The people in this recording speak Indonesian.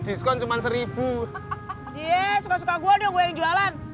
iya suka suka gua dong gua yang jualan